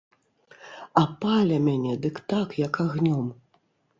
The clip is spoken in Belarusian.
А пале мяне дык так, як агнём!